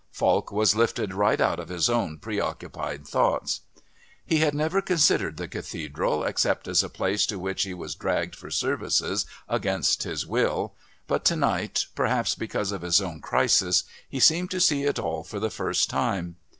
Falk was lifted right out of his own preoccupied thoughts. He had never considered the Cathedral except as a place to which he was dragged for services against his will, but to night, perhaps because of his own crisis, he seemed to see it all for the first time.